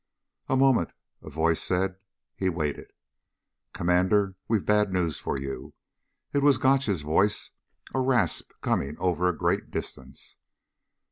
"A moment," a voice said. He waited. "Commander, we've bad news for you." It was Gotch's voice, a rasp coming over a great distance.